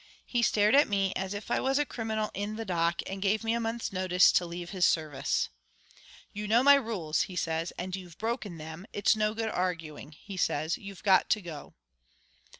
He stared at me as if I was a criminal in the dock, and give me a month's notice to leave his service. "'You know my rules,' he says, 'and you've broken them. It's no good arguing,' he says, 'you've got to go.'"